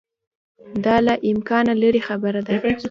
دا له امکانه لیري خبره ده.